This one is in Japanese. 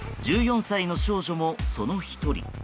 １４歳の少女も、その１人。